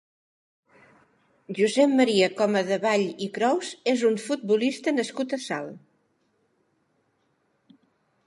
Josep Maria Comadevall i Crous és un futbolista nascut a Salt.